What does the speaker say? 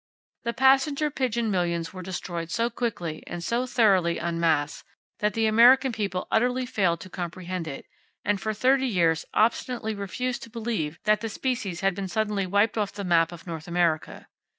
The passenger pigeon millions were destroyed so quickly, and so thoroughly en masse, that the American people utterly failed to comprehend it, and for thirty years obstinately refused to believe that the species had been suddenly wiped off the map of North America.